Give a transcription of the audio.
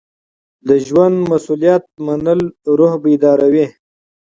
د ژوند مسؤلیت منل روح بیداروي.